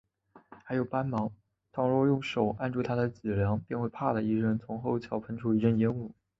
还有斑蝥，倘若用手指按住它的脊梁，便会啪的一声，从后窍喷出一阵烟雾